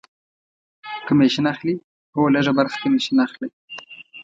کمیشن اخلي؟ هو، لږ ه برخه کمیشن اخلی